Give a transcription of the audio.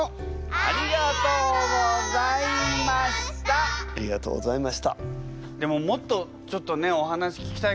ありがとうございます。